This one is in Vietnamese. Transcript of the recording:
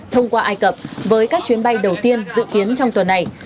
thông qua ai cập với các chuyến bay đầu tiên dự kiến trong tuần này